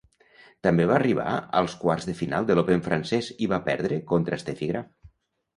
També va arribar als quarts de final de l'Open francès i va perdre contra Steffi Graf.